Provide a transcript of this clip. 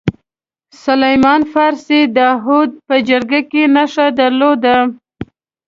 سلمان فارسي داوحد په جګړه کې نښه درلوده.